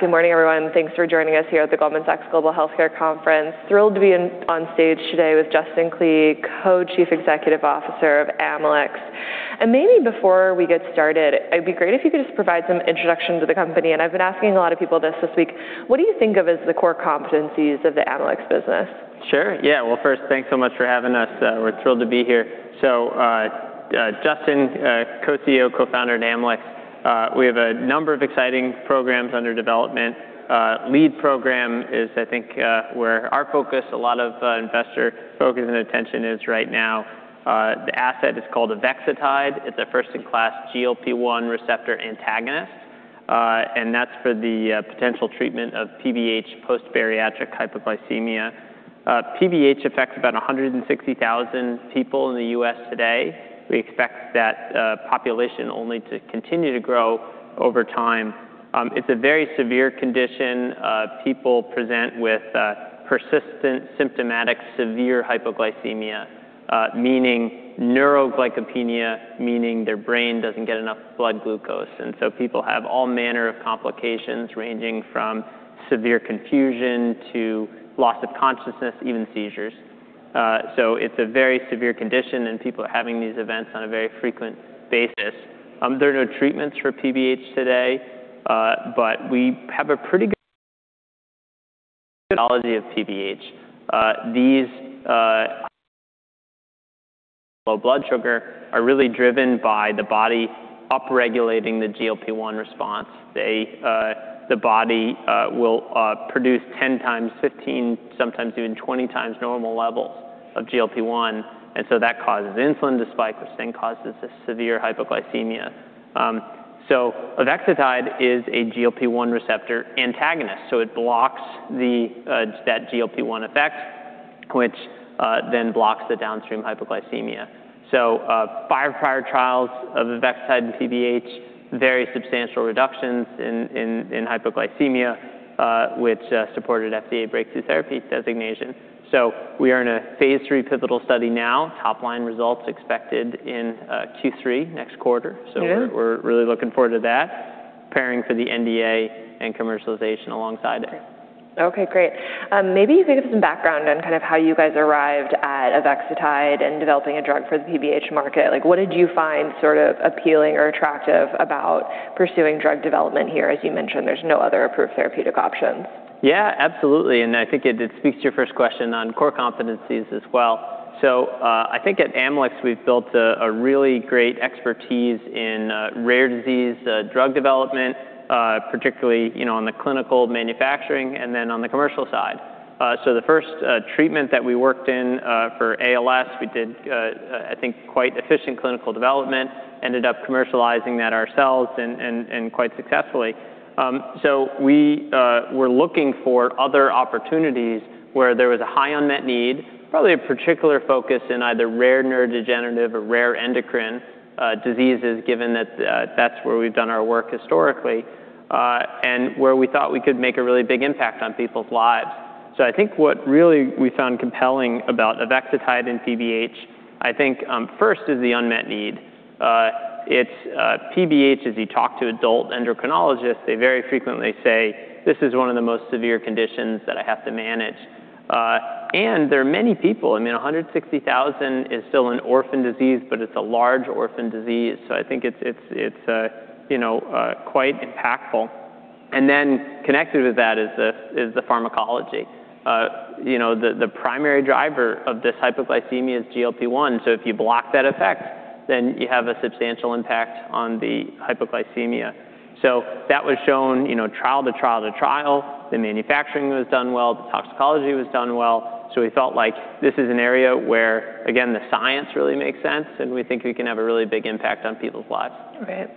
Good morning, everyone. Thanks for joining us here at the Goldman Sachs Global Healthcare Conference. Thrilled to be on stage today with Justin Klee, Co-Chief Executive Officer of Amylyx. Maybe before we get started, it would be great if you could just provide some introduction to the company. I have been asking a lot of people this week, what do you think of as the core competencies of the Amylyx business? Sure, yeah. Well, first, thanks so much for having us. We are thrilled to be here. Justin, Co-CEO, Co-Founder at Amylyx. We have a number of exciting programs under development. Lead program is, I think, where our focus, a lot of investor focus and attention is right now. The asset is called avexitide. It is a first-in-class GLP-1 receptor antagonist. That is for the potential treatment of PBH, post-bariatric hypoglycemia. PBH affects about 160,000 people in the U.S. today. We expect that population only to continue to grow over time. It is a very severe condition. People present with persistent symptomatic severe hypoglycemia, meaning neuroglycopenia, meaning their brain doesn't get enough blood glucose. People have all manner of complications ranging from severe confusion to loss of consciousness, even seizures. It is a very severe condition, and people are having these events on a very frequent basis. There are no treatments for PBH today. We have a pretty good analogy of PBH. These low blood sugars are really driven by the body upregulating the GLP-1 response. The body will produce 10 times, 15, sometimes even 20 times normal levels of GLP-1. That causes insulin to spike, which causes this severe hypoglycemia. Avexitide is a GLP-1 receptor antagonist. It blocks that GLP-1 effect, which blocks the downstream hypoglycemia. Five prior trials of avexitide in PBH, very substantial reductions in hypoglycemia, which supported FDA Breakthrough Therapy designation. We are in a phase III pivotal study now, top line results expected in Q3 next quarter. Yeah. We are really looking forward to that, preparing for the NDA and commercialization alongside it. Okay, great. Maybe you could give some background on kind of how you guys arrived at avexitide and developing a drug for the PBH market. What did you find sort of appealing or attractive about pursuing drug development here? As you mentioned, there's no other approved therapeutic options. Yeah, absolutely. I think it speaks to your first question on core competencies as well. I think at Amylyx, we've built a really great expertise in rare disease drug development, particularly on the clinical manufacturing, and then on the commercial side. The first treatment that we worked in for ALS, we did I think quite efficient clinical development, ended up commercializing that ourselves and quite successfully. We were looking for other opportunities where there was a high unmet need, probably a particular focus in either rare neurodegenerative or rare endocrine diseases, given that that's where we've done our work historically, and where we thought we could make a really big impact on people's lives. I think what really we found compelling about avexitide and PBH, I think first is the unmet need. PBH, as you talk to adult endocrinologists, they very frequently say, "This is one of the most severe conditions that I have to manage." There are many people, I mean, 160,000 is still an orphan disease, but it's a large orphan disease, so I think it's quite impactful. Then connected with that is the pharmacology. The primary driver of this hypoglycemia is GLP-1, so if you block that effect, then you have a substantial impact on the hypoglycemia. That was shown trial to trial to trial. The manufacturing was done well. The toxicology was done well. We felt like this is an area where, again, the science really makes sense, and we think we can have a really big impact on people's lives. Right.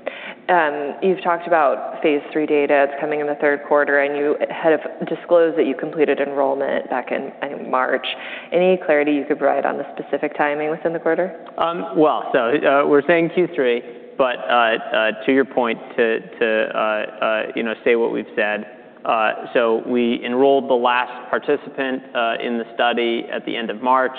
You've talked about phase III data. It's coming in the third quarter, and you had disclosed that you completed enrollment back in March. Any clarity you could provide on the specific timing within the quarter? Well, we're saying Q3. To your point, to say what we've said, we enrolled the last participant in the study at the end of March.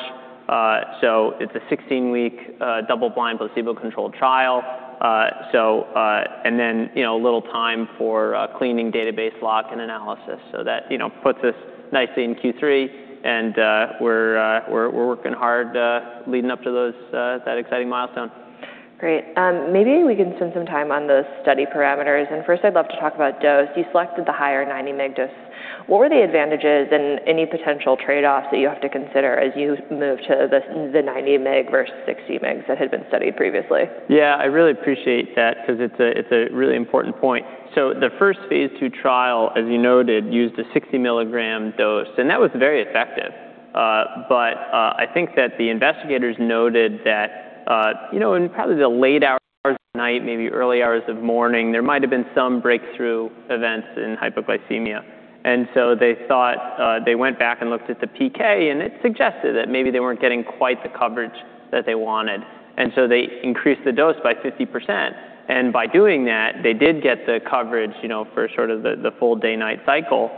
It's a 16-week double-blind placebo-controlled trial, and then a little time for cleaning database lock and analysis. That puts us nicely in Q3, and we're working hard leading up to that exciting milestone. Great. Maybe we can spend some time on the study parameters. First I'd love to talk about dose. You selected the higher 90 mg dose. What were the advantages and any potential trade-offs that you have to consider as you move to the 90 mg versus 60 mg that had been studied previously? Yeah, I really appreciate that because it's a really important point. The first phase II trial, as you noted, used a 60 mg dose. That was very effective. I think that the investigators noted that in probably the late hours of night, maybe early hours of morning, there might've been some breakthrough events in hypoglycemia. They went back and looked at the PK. It suggested that maybe they weren't getting quite the coverage that they wanted. They increased the dose by 50%. By doing that, they did get the coverage for sort of the full day and night cycle.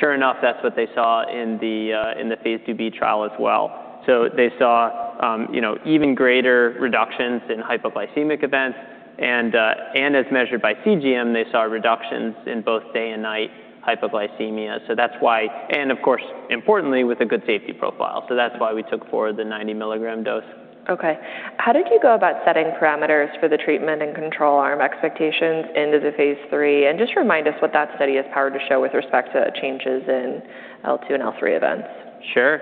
Sure enough, that's what they saw in the phase II-B trial as well. They saw even greater reductions in hypoglycemic events. As measured by CGM, they saw reductions in both day and night hypoglycemia. Of course, importantly, with a good safety profile. That's why we took for the 90 mg dose. Okay. How did you go about setting parameters for the treatment and control arm expectations into the phase III, and just remind us what that study is powered to show with respect to changes in L2 and L3 events. Sure.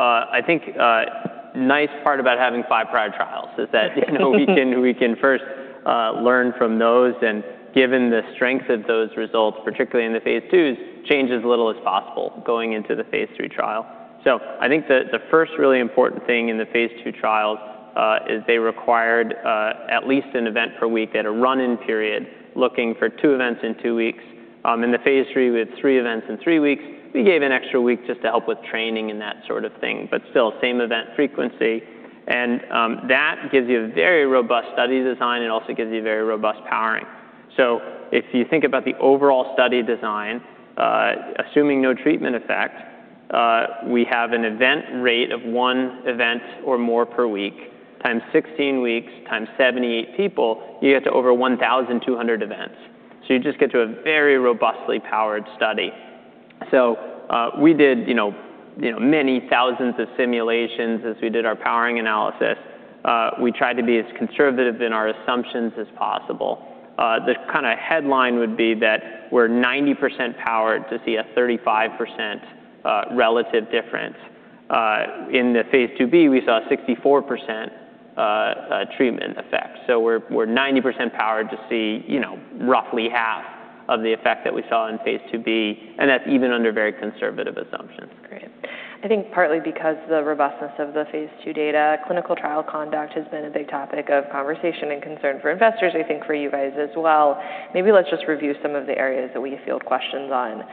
I think a nice part about having five prior trials is that we can first learn from those, and given the strength of those results, particularly in the phase IIs, change as little as possible going into the phase III trial. I think the first really important thing in the phase II trials is they required at least an event per week. They had a run-in period looking for two events in two weeks. In the phase III, we had three events in three weeks. We gave an extra week just to help with training and that sort of thing, but still same event frequency. That gives you a very robust study design and also gives you very robust powering. If you think about the overall study design, assuming no treatment effect, we have an event rate of one event or more per week, times 16 weeks, times 78 people, you get to over 1,200 events. You just get to a very robustly powered study. We did many thousands of simulations as we did our powering analysis. We tried to be as conservative in our assumptions as possible. The headline would be that we're 90% powered to see a 35% relative difference. In the phase IIb, we saw a 64% treatment effect. We're 90% powered to see roughly half of the effect that we saw in phase IIb, and that's even under very conservative assumptions. Great. I think partly because the robustness of the phase II data, clinical trial conduct has been a big topic of conversation and concern for investors, I think for you guys as well. Maybe let's just review some of the areas that we field questions on.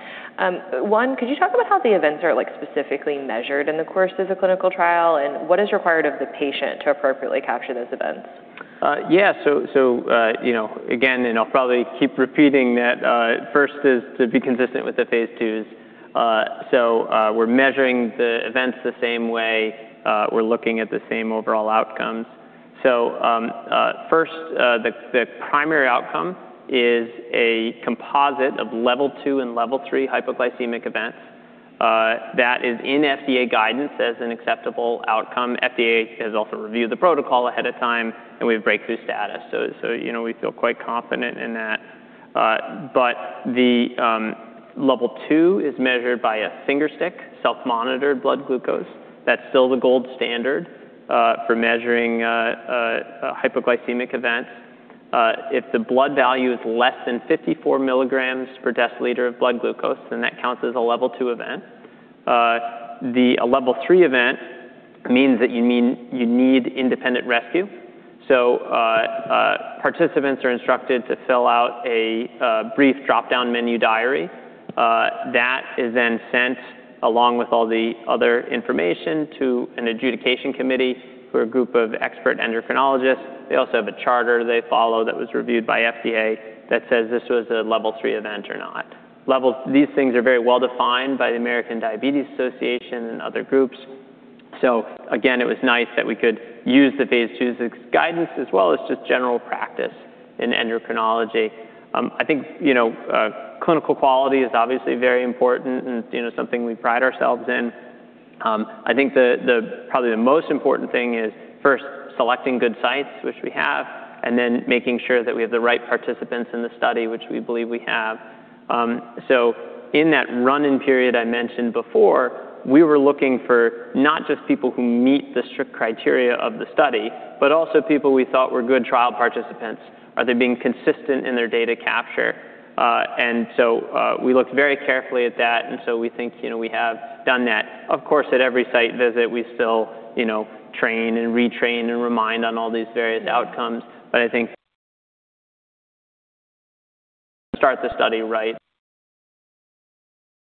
One, could you talk about how the events are specifically measured in the course of the clinical trial, and what is required of the patient to appropriately capture those events? Yeah. Again, I'll probably keep repeating that, first is to be consistent with the phase IIs. We're measuring the events the same way. We're looking at the same overall outcomes. First, the primary outcome is a composite of Level 2 and Level 3 hypoglycemic events. That is in FDA guidance as an acceptable outcome. FDA has also reviewed the protocol ahead of time, and we have Breakthrough status. We feel quite confident in that. The Level 2 is measured by a finger stick, self-monitored blood glucose. That's still the gold standard for measuring hypoglycemic events. If the blood value is less than 54 mg per deciliter of blood glucose, then that counts as a Level 2 event. A Level 3 event means that you need independent rescue. Participants are instructed to fill out a brief drop-down menu diary. That is sent, along with all the other information, to an adjudication committee who are a group of expert endocrinologists. They also have a charter they follow that was reviewed by FDA that says this was a Level 3 event or not. These things are very well defined by the American Diabetes Association and other groups. Again, it was nice that we could use the phase II's guidance as well as just general practice in endocrinology. I think clinical quality is obviously very important and something we pride ourselves in. I think probably the most important thing is first selecting good sites, which we have, making sure that we have the right participants in the study, which we believe we have. In that run-in period I mentioned before, we were looking for not just people who meet the strict criteria of the study, but also people we thought were good trial participants. Are they being consistent in their data capture? We looked very carefully at that, we think we have done that. Of course, at every site visit, we still train and retrain and remind on all these various outcomes. I think start the study right.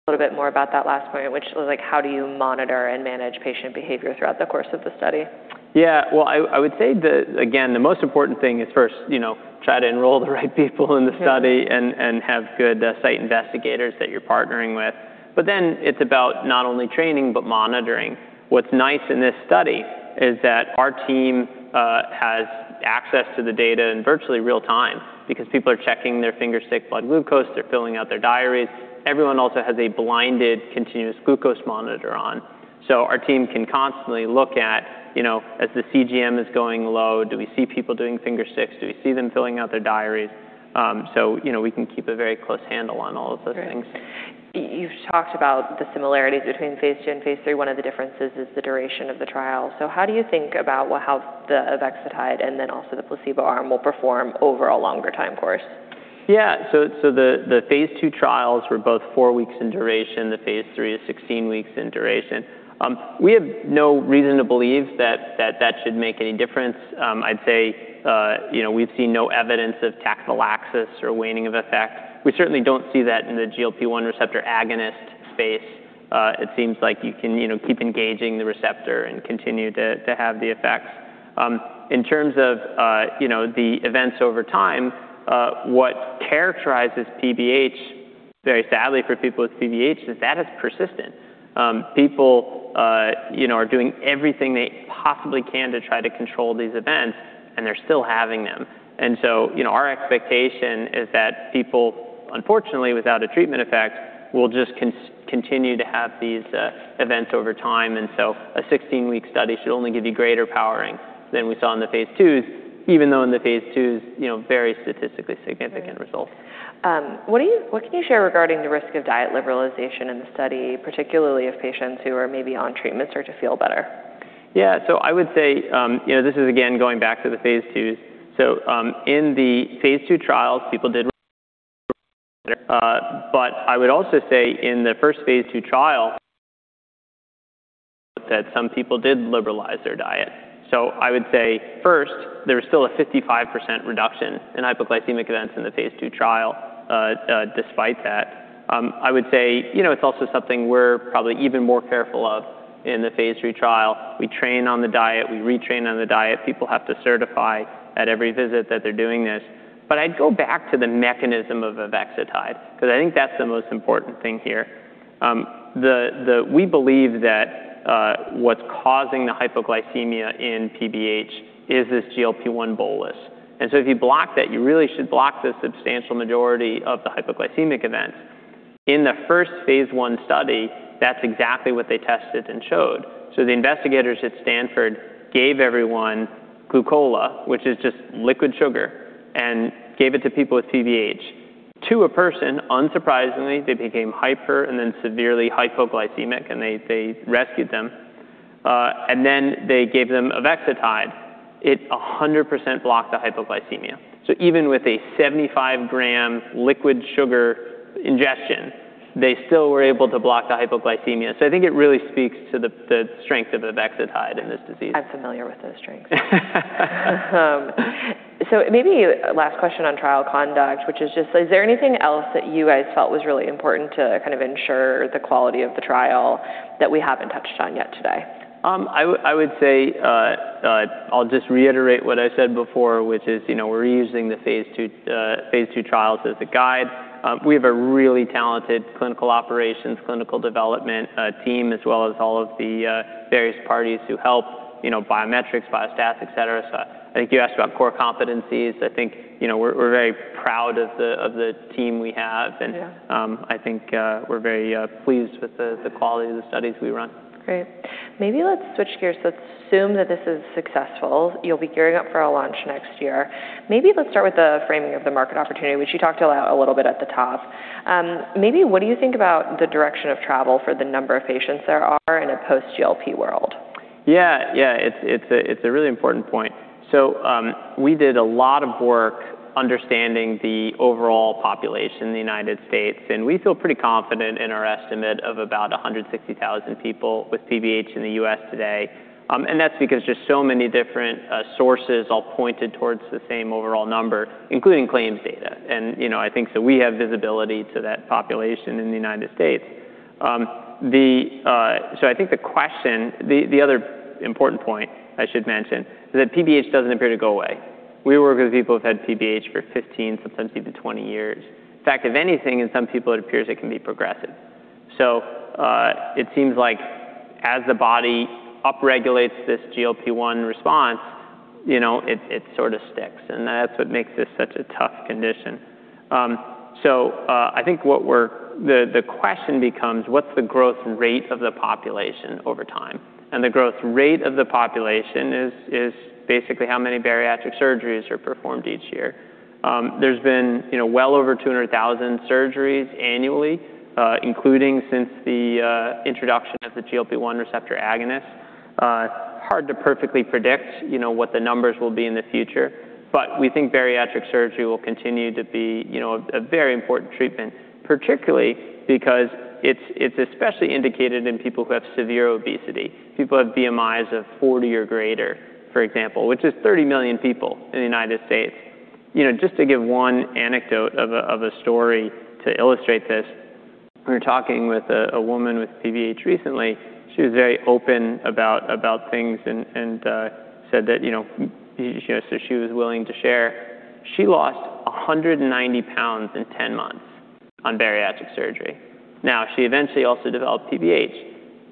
A little bit more about that last point, which was how do you monitor and manage patient behavior throughout the course of the study? Yeah. I would say that, again, the most important thing is first try to enroll the right people in the study and have good site investigators that you're partnering with. It's about not only training but monitoring. What's nice in this study is that our team has access to the data in virtually real time because people are checking their finger-stick blood glucose. They're filling out their diaries. Everyone also has a blinded continuous glucose monitor on. Our team can constantly look at as the CGM is going low, do we see people doing finger sticks? Do we see them filling out their diaries? We can keep a very close handle on all of those things. You've talked about the similarities between phase II and phase III. One of the differences is the duration of the trial. How do you think about how the avexitide and then also the placebo arm will perform over a longer time course? Yeah. The phase II trials were both four weeks in duration. The phase III is 16 weeks in duration. We have no reason to believe that should make any difference. I'd say we've seen no evidence of tachyphylaxis or waning of effect. We certainly don't see that in the GLP-1 receptor agonist space. It seems like you can keep engaging the receptor and continue to have the effects. In terms of the events over time, what characterizes PBH. Very sadly for people with PBH is that is persistent. People are doing everything they possibly can to try to control these events, and they're still having them. Our expectation is that people, unfortunately, without a treatment effect, will just continue to have these events over time. A 16-week study should only give you greater powering than we saw in the phase IIs, even though in the phase IIs, very statistically significant results. What can you share regarding the risk of diet liberalization in the study, particularly of patients who are maybe on treatments or to feel better? Yeah. I would say, this is again going back to the phase IIs. In the phase II trials people did, but I would also say in the first phase II trial that some people did liberalize their diet. So I would say, first, there was still a 55% reduction in hypoglycemic events in the phase II trial, despite that. I would say, you know, it's also something we're probably even more careful of in the phase III trial. We train on the diet, we retrain on the diet. People have to certify at every visit that they're doing this. But I'd go back to the mechanism of avexitide, because I think that's the most important thing here. We believe that what's causing the hypoglycemia in PBH is this GLP-1 bolus. And so if you block that, you really should block the substantial majority of the hypoglycemic events. In the first phase I study, that's exactly what they tested and showed. So the investigators at Stanford gave everyone glucola, which is just liquid sugar, and gave it to people with PBH. To a person, unsurprisingly, they became hyper and then severely hypoglycemic, and they rescued them. And then they gave them avexitide. It 100% blocked the hypoglycemia. So even with a 75 g liquid sugar ingestion, they still were able to block the hypoglycemia. So I think it really speaks to the strength of avexitide in this disease. I'm familiar with those strengths. So maybe a last question on trial conduct, which is just, is there anything else that you guys felt was really important to ensure the quality of the trial that we haven't touched on yet today? I would say, I'll just reiterate what I said before, which is, we're using the phase II trials as a guide. We have a really talented clinical operations, clinical development team, as well as all of the various parties who help, biometrics, biostats, et cetera. I think you asked about core competencies. We're very proud of the team we have. I think we're very pleased with the quality of the studies we run. Great. Maybe let's switch gears. Let's assume that this is successful. You'll be gearing up for a launch next year. Maybe let's start with the framing of the market opportunity, which you talked a little bit at the top. Maybe what do you think about the direction of travel for the number of patients there are in a post GLP world? Yeah. It's a really important point. We did a lot of work understanding the overall population in the U.S., and we feel pretty confident in our estimate of about 160,000 people with PBH in the U.S. today. That's because just so many different sources all pointed towards the same overall number, including claims data. I think that we have visibility to that population in the U.S. I think the question, the other important point I should mention is that PBH doesn't appear to go away. We work with people who've had PBH for 15, sometimes even 20 years. In fact, if anything, in some people, it appears it can be progressive. It seems like as the body upregulates this GLP-1 response, it sort of sticks. That's what makes this such a tough condition. I think the question becomes what's the growth rate of the population over time? The growth rate of the population is basically how many bariatric surgeries are performed each year. There's been well over 200,000 surgeries annually, including since the introduction of the GLP-1 receptor agonist. Hard to perfectly predict what the numbers will be in the future. We think bariatric surgery will continue to be a very important treatment, particularly because it's especially indicated in people who have severe obesity, people who have BMIs of 40 or greater, for example, which is 30 million people in the U.S. Just to give one anecdote of a story to illustrate this, we were talking with a woman with PBH recently. She was very open about things and said that she was willing to share. She lost 190 pounds in 10 months on bariatric surgery. Now, she eventually also developed PBH.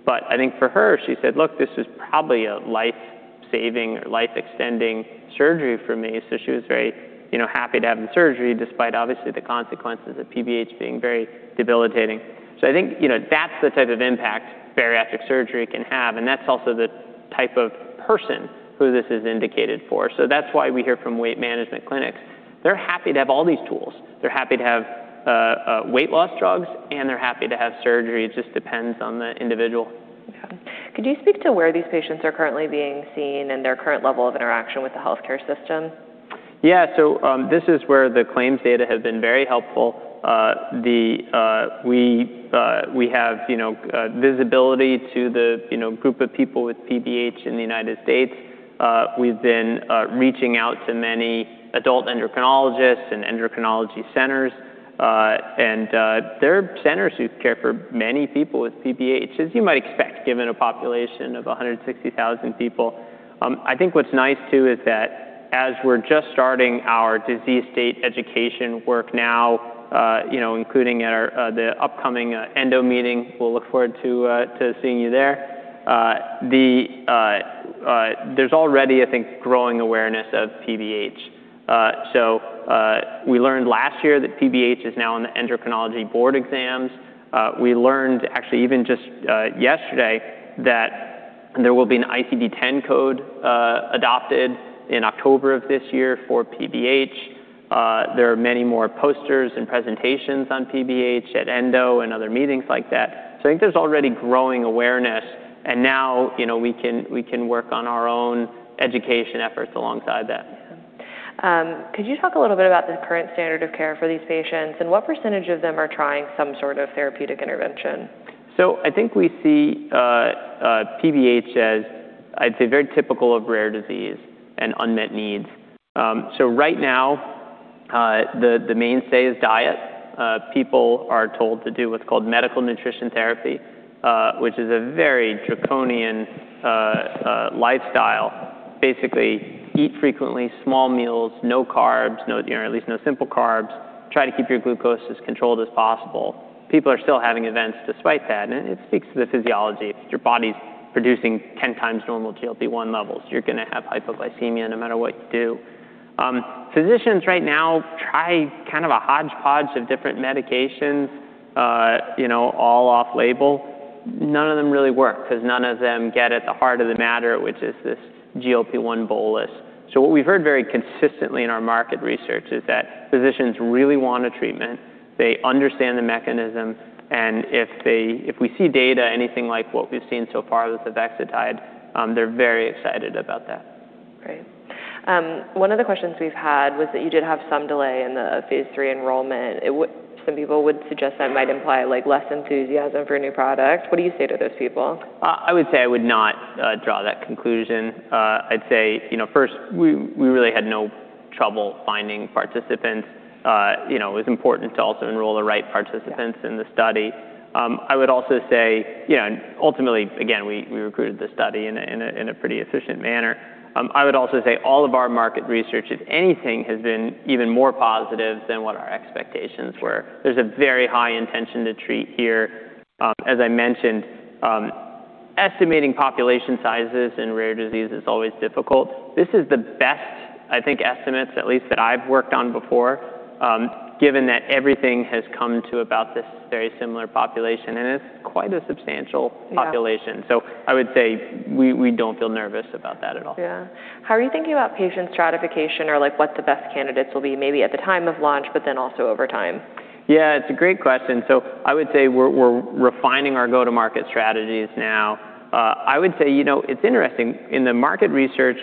I think for her, she said, "Look, this is probably a life-saving or life-extending surgery for me." She was very happy to have the surgery, despite obviously the consequences of PBH being very debilitating. I think that's the type of impact bariatric surgery can have, and that's also the type of person who this is indicated for. That's why we hear from weight management clinics. They're happy to have all these tools. They're happy to have weight loss drugs, and they're happy to have surgery. It just depends on the individual. Okay. Could you speak to where these patients are currently being seen and their current level of interaction with the healthcare system? Yeah. This is where the claims data have been very helpful. We have visibility to the group of people with PBH in the U.S. We've been reaching out to many adult endocrinologists and endocrinology centers, and they're centers who care for many people with PBH, as you might expect, given a population of 160,000 people. I think what's nice too is that as we're just starting our disease state education work now, including the upcoming ENDO meeting, we'll look forward to seeing you there. There's already, I think, growing awareness of PBH. We learned last year that PBH is now on the endocrinology board exams. We learned actually even just yesterday that there will be an ICD-10 code adopted in October of this year for PBH. There are many more posters and presentations on PBH at ENDO and other meetings like that. I think there's already growing awareness, and now we can work on our own education efforts alongside that. Yeah. Could you talk a little bit about the current standard of care for these patients, and what percentage of them are trying some sort of therapeutic intervention? I think we see PBH as, I'd say, very typical of rare disease and unmet needs. Right now, the mainstay is diet. People are told to do what's called medical nutrition therapy, which is a very draconian lifestyle. Basically, eat frequently small meals, no carbs, or at least no simple carbs. Try to keep your glucose as controlled as possible. People are still having events despite that, and it speaks to the physiology. If your body's producing 10 times normal GLP-1 levels, you're going to have hypoglycemia no matter what you do. Physicians right now try a hodgepodge of different medications, all off-label. None of them really work because none of them get at the heart of the matter, which is this GLP-1 bolus. What we've heard very consistently in our market research is that physicians really want a treatment. They understand the mechanism, and if we see data, anything like what we've seen so far with the avexitide, they're very excited about that. Great. One of the questions we've had was that you did have some delay in the phase III enrollment. Some people would suggest that might imply less enthusiasm for a new product. What do you say to those people? I would say I would not draw that conclusion. I'd say first, we really had no trouble finding participants. It was important to also enroll the right participants in the study. Ultimately, again, we recruited the study in a pretty efficient manner. I would also say all of our market research, if anything, has been even more positive than what our expectations were. There's a very high intention to treat here. As I mentioned, estimating population sizes in rare disease is always difficult. This is the best, I think, estimates at least that I've worked on before, given that everything has come to about this very similar population, and it's quite a substantial population. Yeah. I would say we don't feel nervous about that at all. Yeah. How are you thinking about patient stratification or what the best candidates will be maybe at the time of launch, but then also over time? It's a great question. I would say we're refining our go-to-market strategies now. I would say it's interesting. In the market research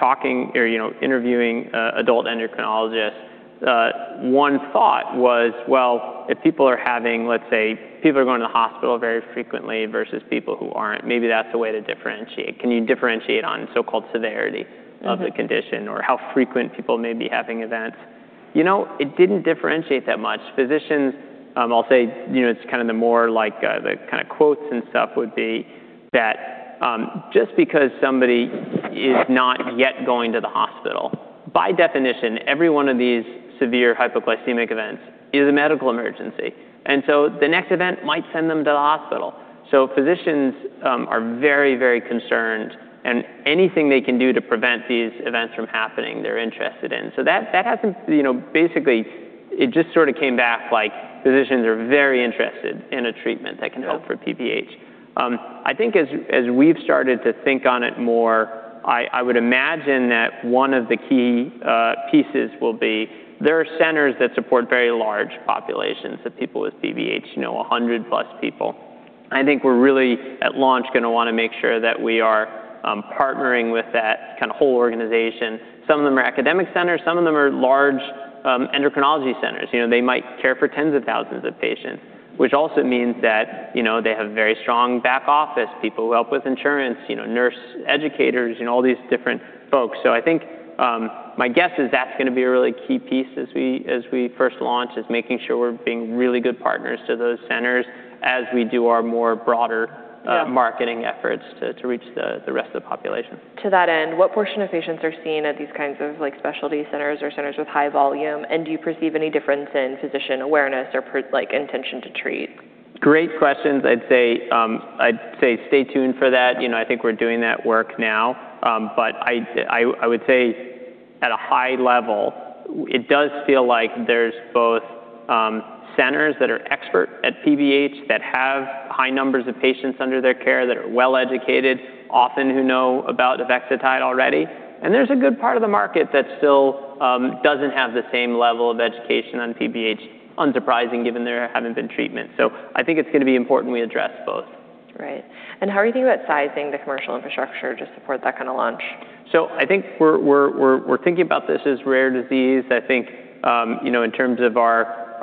interviewing adult endocrinologists, one thought was, well, if people are going to the hospital very frequently versus people who aren't, maybe that's a way to differentiate. Can you differentiate on so-called severity of the condition, or how frequent people may be having events? It didn't differentiate that much. Physicians, I'll say, it's the quotes and stuff would be that just because somebody is not yet going to the hospital, by definition, every one of these severe hypoglycemic events is a medical emergency, and the next event might send them to the hospital. Physicians are very concerned, and anything they can do to prevent these events from happening, they're interested in. Basically, it just came back like physicians are very interested in a treatment that can help for PBH. I think as we've started to think on it more, I would imagine that one of the key pieces will be there are centers that support very large populations of people with PBH, 100+ people. I think we're really at launch going to want to make sure that we are partnering with that whole organization. Some of them are academic centers, some of them are large endocrinology centers. They might care for tens of thousands of patients, which also means that they have very strong back office people who help with insurance, nurse educators, all these different folks. I think my guess is that's going to be a really key piece as we first launch, is making sure we're being really good partners to those centers as we do our more broader- Yeah marketing efforts to reach the rest of the population. To that end, what portion of patients are seen at these kinds of specialty centers or centers with high volume, do you perceive any difference in physician awareness or intention to treat? Great questions. I'd say stay tuned for that. I think we're doing that work now. I would say at a high level, it does feel like there's both centers that are expert at PBH that have high numbers of patients under their care that are well-educated, often who know about avexitide already, and there's a good part of the market that still doesn't have the same level of education on PBH. Unsurprising, given there haven't been treatment. I think it's going to be important we address both. Right. How are you thinking about sizing the commercial infrastructure to support that kind of launch? I think we're thinking about this as rare disease, I think, in terms of our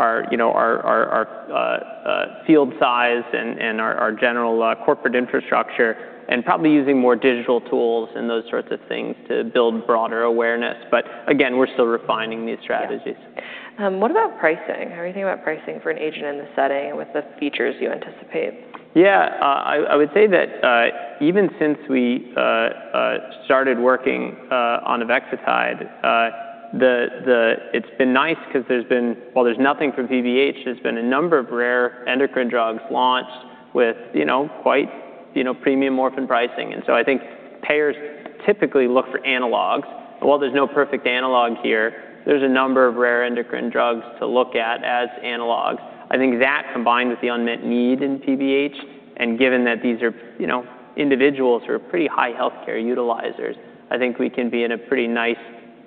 field size and our general corporate infrastructure, and probably using more digital tools and those sorts of things to build broader awareness. Again, we're still refining these strategies. Yeah. What about pricing? How are you thinking about pricing for an agent in this setting with the features you anticipate? Yeah. I would say that even since we started working on avexitide, it's been nice because there's been. Well, there's nothing for PBH. There's been a number of rare endocrine drugs launched with quite premium orphan pricing. I think payers typically look for analogs. While there's no perfect analog here, there's a number of rare endocrine drugs to look at as analogs. I think that, combined with the unmet need in PBH, and given that these are individuals who are pretty high healthcare utilizers, I think we can be in a pretty nice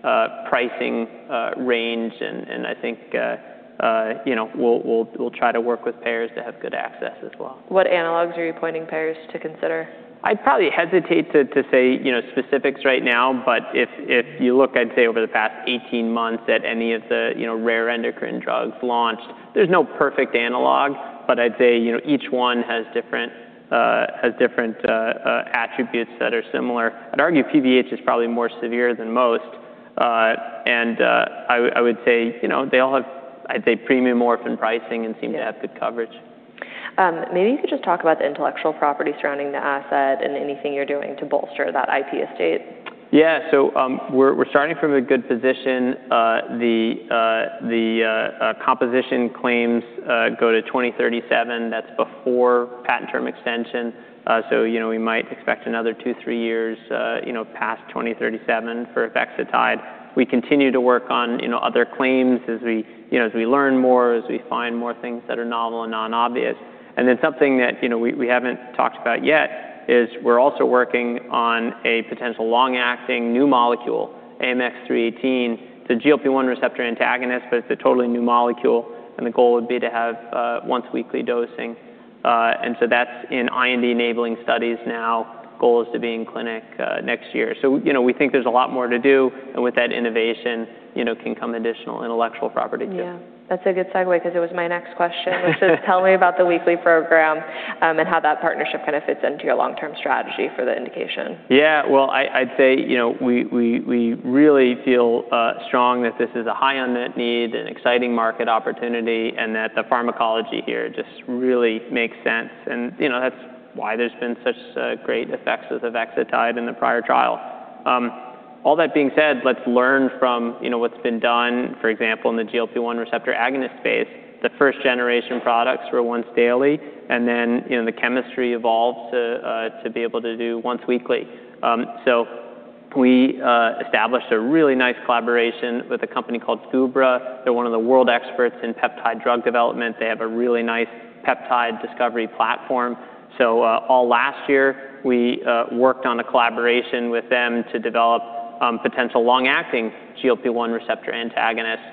pricing range, and I think we'll try to work with payers to have good access as well. What analogs are you pointing payers to consider? I'd probably hesitate to say specifics right now. If you look, I'd say, over the past 18 months at any of the rare endocrine drugs launched, there's no perfect analog, but I'd say each one has different attributes that are similar. I'd argue PBH is probably more severe than most. I would say they all have premium orphan pricing and seem to have good coverage. Maybe you could just talk about the intellectual property surrounding the asset and anything you're doing to bolster that IP estate. Yeah. We're starting from a good position. The composition claims go to 2037, that's before patent term extension, so we might expect another two, three years past 2037 for avexitide. We continue to work on other claims as we learn more, as we find more things that are novel and non-obvious. Something that we haven't talked about yet is we're also working on a potential long-acting new molecule, AMX0318. It's a GLP-1 receptor antagonist, but it's a totally new molecule. The goal would be to have once-weekly dosing. That's in IND-enabling studies now. Goal is to be in clinic next year. We think there's a lot more to do, and with that innovation can come additional intellectual property too. Yeah. That's a good segue because it was my next question, which is tell me about the weekly program and how that partnership kind of fits into your long-term strategy for the indication. Yeah. Well, I'd say we really feel strong that this is a high unmet need, an exciting market opportunity, and that the pharmacology here just really makes sense, and that's why there's been such great effects with avexitide in the prior trial. All that being said, let's learn from what's been done, for example, in the GLP-1 receptor agonist space. The first-generation products were once daily, and then the chemistry evolved to be able to do once weekly. We established a really nice collaboration with a company called Gubra. They're one of the world experts in peptide drug development. They have a really nice peptide discovery platform. All last year, we worked on a collaboration with them to develop potential long-acting GLP-1 receptor antagonists.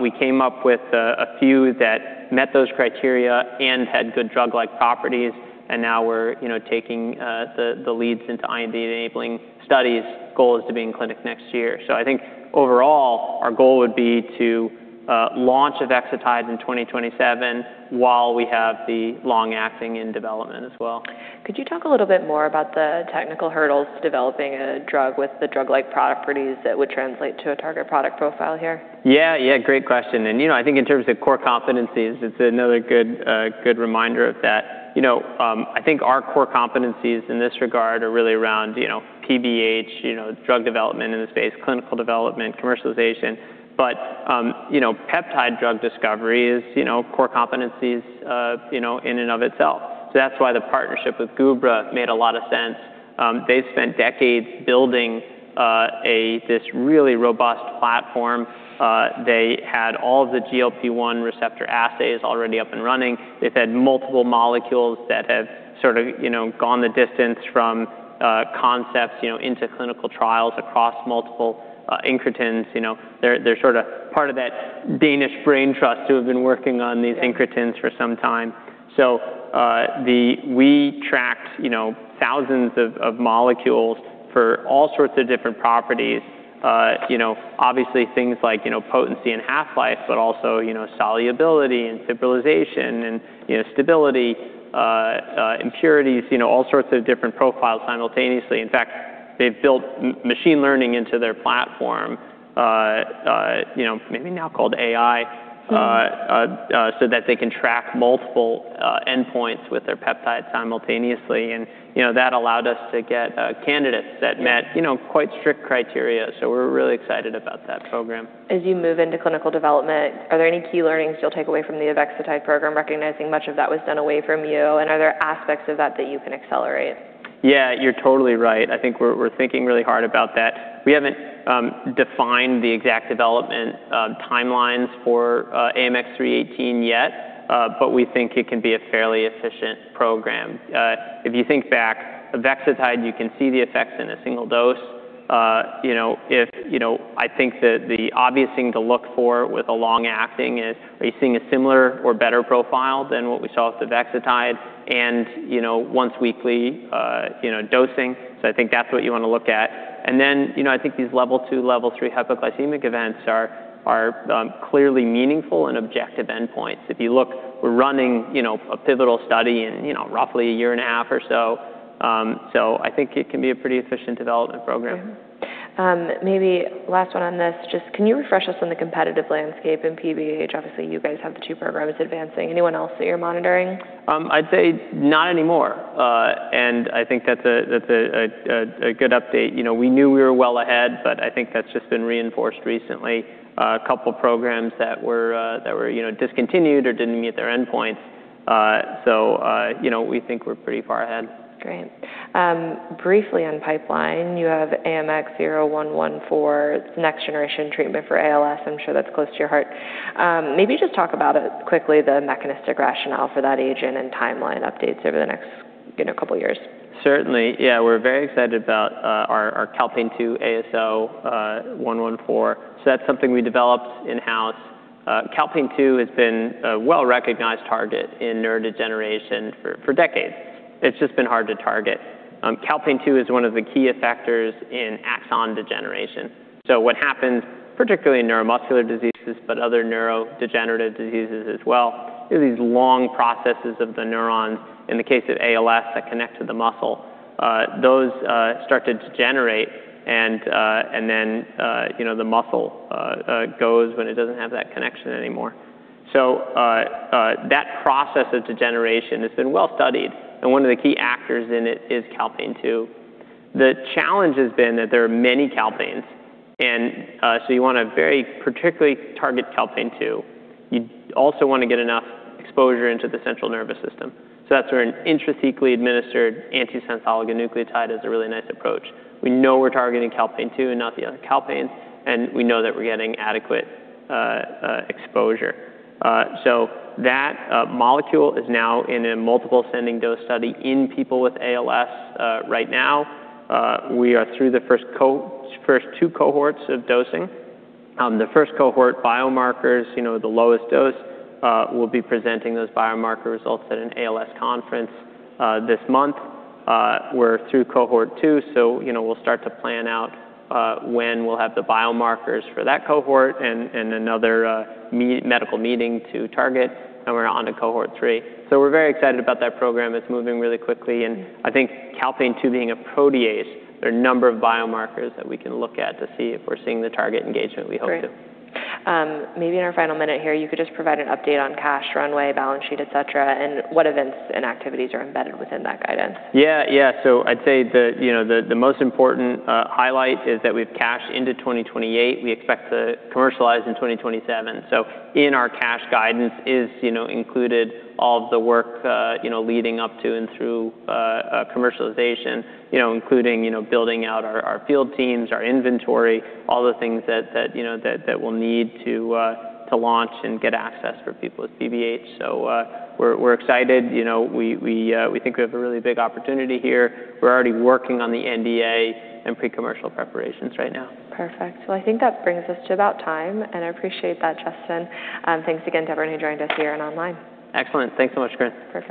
We came up with a few that met those criteria and had good drug-like properties. Now we're taking the leads into IND-enabling studies. Goal is to be in clinic next year. I think overall, our goal would be to launch avexitide in 2027 while we have the long-acting in development as well. Could you talk a little bit more about the technical hurdles to developing a drug with the drug-like properties that would translate to a target product profile here? Yeah. Great question. I think in terms of core competencies, it's another good reminder of that. I think our core competencies in this regard are really around PBH, drug development in the space, clinical development, commercialization. Peptide drug discovery is core competencies in and of itself. That's why the partnership with Gubra made a lot of sense. They've spent decades building this really robust platform. They had all of the GLP-1 receptor assays already up and running. They've had multiple molecules that have sort of gone the distance from concepts into clinical trials across multiple incretins. They're sort of part of that Danish brain trust who have been working on these incretins for some time. We tracked thousands of molecules for all sorts of different properties. Obviously things like potency and half-life, but also solubility and stabilization and stability, impurities, all sorts of different profiles simultaneously. In fact, they've built machine learning into their platform, maybe now called AI, so that they can track multiple endpoints with their peptides simultaneously. That allowed us to get candidates that met quite strict criteria. We're really excited about that program. As you move into clinical development, are there any key learnings you'll take away from the avexitide program, recognizing much of that was done away from you, and are there aspects of that that you can accelerate? Yeah, you're totally right. I think we're thinking really hard about that. We haven't defined the exact development timelines for AMX0318 yet, but we think it can be a fairly efficient program. If you think back, avexitide, you can see the effects in a single dose. I think that the obvious thing to look for with a long-acting is, are you seeing a similar or better profile than what we saw with avexitide and once-weekly dosing? I think that's what you want to look at. Then, I think these Level 2, Level 3 hypoglycemic events are clearly meaningful and objective endpoints. If you look, we're running a pivotal study in roughly a year and a half or so. I think it can be a pretty efficient development program. Yeah. Maybe last one on this. Just can you refresh us on the competitive landscape in PBH? Obviously, you guys have the two programs advancing. Anyone else that you're monitoring? I'd say not anymore, I think that's a good update. We knew we were well ahead, I think that's just been reinforced recently. A couple programs that were discontinued or didn't meet their endpoint. We think we're pretty far ahead. Great. Briefly on pipeline, you have AMX0114, it's next generation treatment for ALS. I'm sure that's close to your heart. Maybe just talk about it quickly, the mechanistic rationale for that agent and timeline updates over the next couple of years. Certainly, yeah. We're very excited about our calpain-2 AMX0114. That's something we developed in-house. Calpain-2 has been a well-recognized target in neurodegeneration for decades. It's just been hard to target. Calpain-2 is one of the key effectors in axon degeneration. What happens, particularly in neuromuscular diseases, but other neurodegenerative diseases as well, is these long processes of the neuron, in the case of ALS, that connect to the muscle, those start to degenerate and then the muscle goes when it doesn't have that connection anymore. That process of degeneration has been well studied, one of the key actors in it is calpain-2. The challenge has been that there are many calpains, you want to very particularly target calpain-2. You also want to get enough exposure into the central nervous system. That's where an intrathecally administered antisense oligonucleotide is a really nice approach. We know we're targeting calpain-2 and not the other calpains, we know that we're getting adequate exposure. That molecule is now in a multiple ascending dose study in people with ALS right now. We are through the first two cohorts of dosing. The first cohort biomarkers, the lowest dose, we'll be presenting those biomarker results at an ALS conference this month. We're through cohort 2, we'll start to plan out when we'll have the biomarkers for that cohort and another medical meeting to target, we're onto cohort 3. We're very excited about that program. It's moving really quickly, I think calpain-2 being a protease, there are a number of biomarkers that we can look at to see if we're seeing the target engagement we hope to. Great. Maybe in our final minute here, you could just provide an update on cash runway, balance sheet, et cetera, and what events and activities are embedded within that guidance. Yeah. I'd say the most important highlight is that we have cash into 2028. We expect to commercialize in 2027. In our cash guidance is included all of the work leading up to and through commercialization, including building out our field teams, our inventory, all the things that we'll need to launch and get access for people with PBH. We're excited. We think we have a really big opportunity here. We're already working on the NDA and pre-commercial preparations right now. Perfect. Well, I think that brings us to about time, and I appreciate that, Justin. Thanks again to everyone who joined us here and online. Excellent. Thanks so much, Corinne. Perfect.